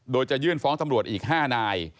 โดยจะยื่นฟ้องตำรวจอีก๕นาย